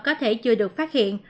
có thể chưa được phát hiện